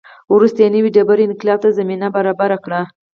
وروسته یې نوې ډبرې انقلاب ته زمینه برابره کړه.